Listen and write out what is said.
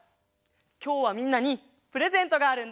きょうはみんなにプレゼントがあるんだ！